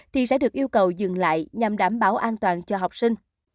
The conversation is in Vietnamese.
thì sẽ được yêu cầu dừng lại nhằm đảm bảo an toàn cho học sinh